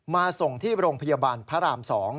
มาส่งที่โรงพยาบาลพระราม๒